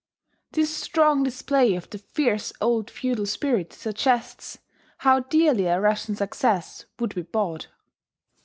This strong display of the fierce old feudal spirit suggests how dearly a Russian success would be bought.